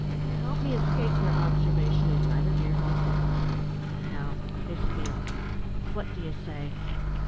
How he escaped their observation is neither here nor there. Now, Miss Beale, what do you say?"